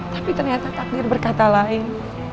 tapi ternyata takdir berkata lain